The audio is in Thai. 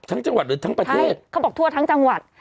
จังหวัดหรือทั้งประเทศเขาบอกทั่วทั้งจังหวัด